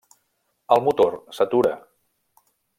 El motor s'atura.